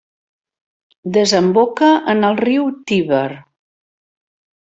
Desemboca en el riu Tíber.